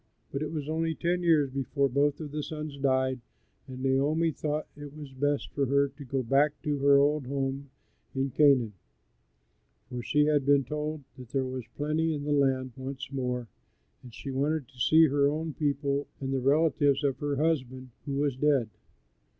But it was only ten years before both of the sons died, and Naomi thought it was best for her to go back to her old home in Canaan; for she had been told that there was plenty in the land once more, and she wanted to see her own people and the relatives of her husband who was dead.